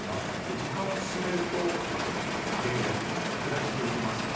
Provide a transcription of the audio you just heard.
時間を進めると雨エリア拡大していきます。